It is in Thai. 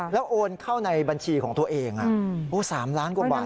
แล้วโอนเข้าในบัญชีของตัวเอง๓ล้านกว่าบาท